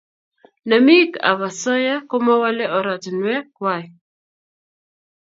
namik ap osoya komawalei oratinwek kwai